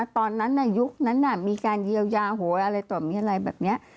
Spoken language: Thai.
ตอนนั้นยุคนั้นมีการเยียวยาโหยอะไรต่อมีอะไรแบบนี้